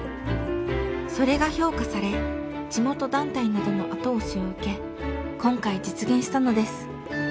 それが評価され地元団体などの後押しを受け今回実現したのです。